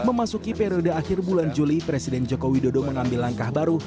memasuki periode akhir bulan juli presiden joko widodo mengambil langkah baru